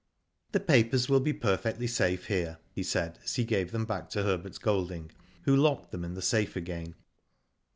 *'The papers will be perfectly safe here/* he said, as he gave them back to Herbert Golding, who locked them in the safe again.